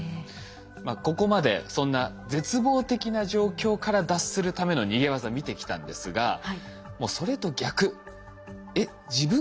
ここまでそんな絶望的な状況から脱するための逃げ技見てきたんですがもうそれと逆。